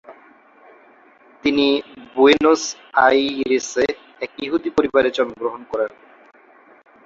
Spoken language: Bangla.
তিনি বুয়েনোস আইরেসে এক ইহুদি পরিবারে জন্মগ্রহণ করেন।